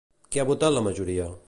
Què ha votat la majoria?